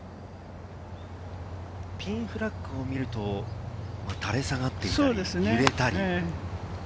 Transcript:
ピンフラッグを見ると垂れ下がっている、ゆれたり。